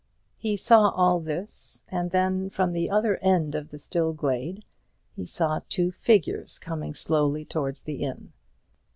He saw all this; and then from the other end of the still glade he saw two figures coming slowly towards the inn.